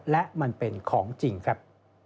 และมันเป็นของจริงครับ